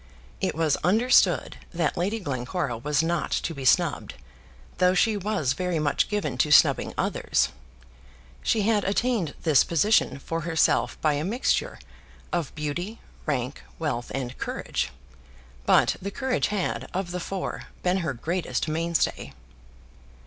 It was understood that Lady Glencora was not to be snubbed, though she was very much given to snubbing others. She had attained this position for herself by a mixture of beauty, rank, wealth, and courage; but the courage had, of the four, been her greatest mainstay.